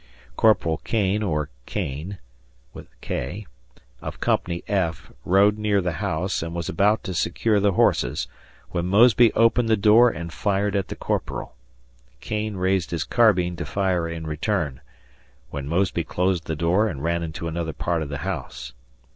Corporal Cane or Kane, of Company F, rode near the house and was about to secure the horses, when Mosby opened the door and fired at the Corporal. Kane raised his carbine to fire in return; when Mosby closed the door and ran into another part of the house.